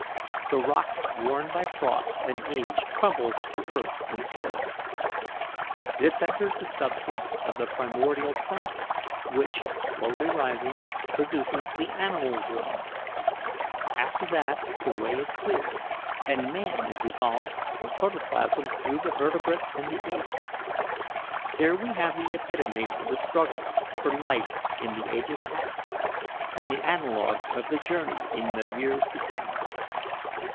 The rock worn by frost and age crumbles to earth and soil. This enters the substance of the primordial plant, which, slowly rising; produces the animal germ. After that the way is clear, and man is evolved from protoplasm through the vertebrate and the ape. Here we have the epitome of the struggle for life in the ages past, and the analogue of the journey in the years to come.